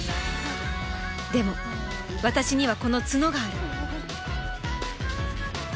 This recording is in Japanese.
でも私にはこの角がある